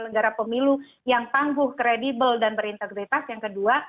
reman reman an rezawari cuhar larger marketing kini